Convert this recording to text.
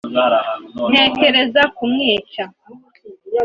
ntekereza kumwica